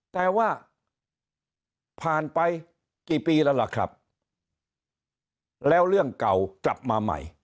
แต่ว่าผ่านไปกี่ปีแล้วล่ะครับแล้วเรื่องเก่ากลับมาใหม่